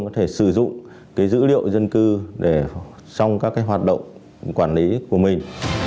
có thể sử dụng dữ liệu dân cư trong các hoạt động quản lý của mình